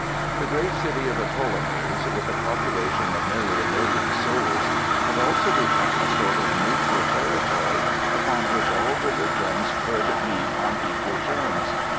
The great city of the Ptolemies, with a population of nearly a million souls, had also become a sort of neutral territory upon which all religions could meet on equal terms.